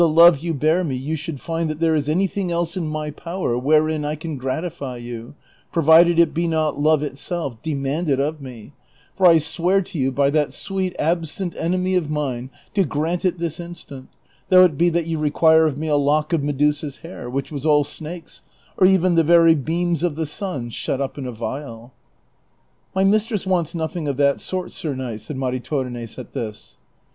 love you bear me, you should find that there is anything else in my power wherein I can gratify yoii, provided it be not love itself, demand it of me ; for I swear to you by that sweet ab sent enemy of mine to grant it this instant, though it be that you require of me a lock of Medusa's hair, which was all snakes, or even the very beams of the sun shut up in a vial." " My mistress wants nothing of that sort, sir knight," said Maritornes at this.